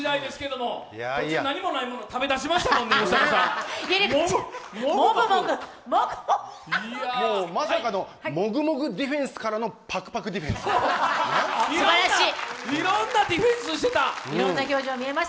もぐもぐまさかのもぐもぐディフェンスからの、いろんなディフェンスしてた！